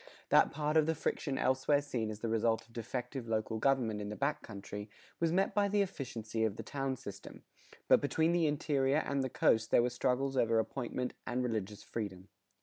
That part of the friction elsewhere seen as the result of defective local government in the back country, was met by the efficiency of the town system; but between the interior and the coast there were struggles over apportionment and religious freedom.